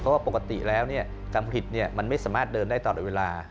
เพราะว่าปกติแล้วการผลิตมันไม่สามารถเดินได้ตลอดเวลา